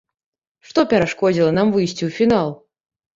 Што перашкодзіла нам выйсці ў фінал?